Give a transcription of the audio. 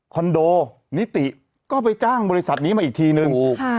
โดนิติก็ไปจ้างบริษัทนี้มาอีกทีนึง